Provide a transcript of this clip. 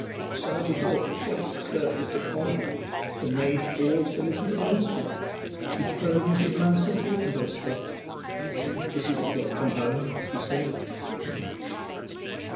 Outside the door, when it was closed upon her, the maid paused to listen for an instant. She heard Mrs. Manston talking to herself. 'This is welcome home!' she said.